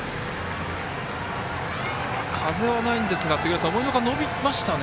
風はないんですが思いのほか、伸びましたね。